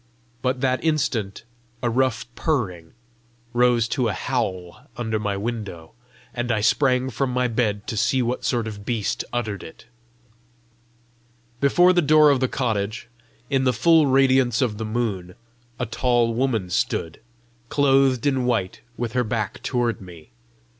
But that instant a rough purring rose to a howl under my window, and I sprang from my bed to see what sort of beast uttered it. Before the door of the cottage, in the full radiance of the moon, a tall woman stood, clothed in white, with her back toward me.